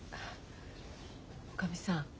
おかみさん